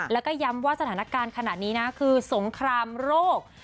แล้วก็ย้ำว่าสถานการณ์ขนาดนี้นะคือสงครามโรค